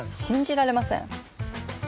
信じられません。